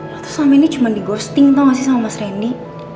lo tuh selama ini cuma dighosting tau gak sih sama mas randy